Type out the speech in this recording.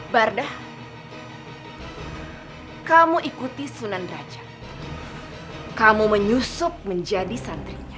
bardah kamu ikuti sunan raja kamu menyusup menjadi santrinya